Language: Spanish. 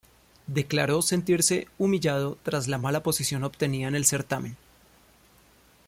Declaró sentirse "humillado" tras la mala posición obtenida en el certamen.